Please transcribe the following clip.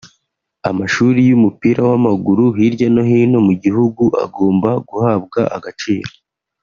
Amashuri y’umupira w’amaguru hirya no hino mu gihugu agomba guhabwa agaciro